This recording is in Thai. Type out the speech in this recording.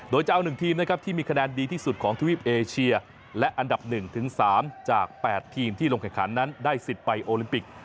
โดยจะเอา๑ทีมนะครับที่มีคะแนนดีที่สุดของทวีปเอเชียและอันดับ๑๓จาก๘ทีมที่ลงแข่งขันนั้นได้สิทธิ์ไปโอลิมปิก